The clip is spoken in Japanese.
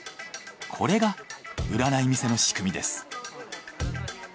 これが売らない店の仕組みです。